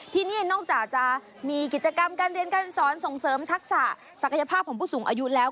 ที่นี่นอกจากจะมีกิจกรรมการเรียนการสอนส่งเสริมทักษะศักยภาพของผู้สูงอายุแล้ว